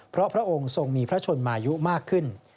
เพราะพระองค์ทรงมีพระชนมายุมากขึ้น